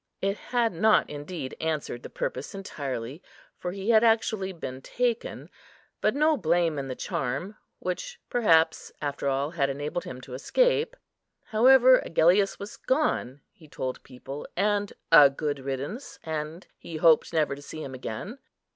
It had not indeed answered the purpose entirely, for he had actually been taken; but no blame in the charm, which perhaps, after all, had enabled him to escape. However, Agellius was gone, he told people, and a good riddance, and he hoped never to see him again.